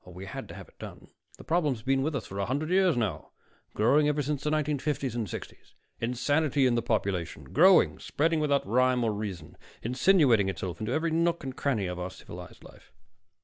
Oh, we had to have it done the problem's been with us for a hundred years now, growing ever since the 1950s and 60s insanity in the population, growing, spreading without rhyme or reason, insinuating itself into every nook and cranny of our civilized life."